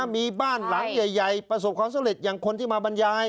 มีบ้านหลังใหญ่ประสบความสำเร็จอย่างคนที่มาบรรยาย